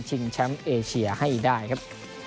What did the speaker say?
ชิงชันเอเชียให้ได้ครับ